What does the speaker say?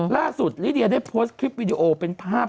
ลิเดียได้โพสต์คลิปวิดีโอเป็นภาพ